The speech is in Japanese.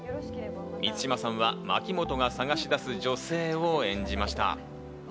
満島さんは牧本が捜し出す女性を演じました。